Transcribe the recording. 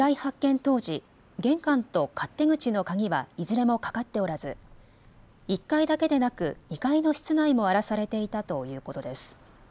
当時、玄関と勝手口の鍵はいずれも掛かっておらず、１階だけでなく２階の室内も荒らされていたということです。